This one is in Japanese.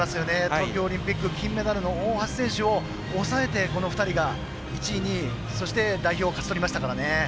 東京オリンピック金メダルの大橋選手を抑えてこの２人が１位、２位そして、代表を勝ち取りましたからね。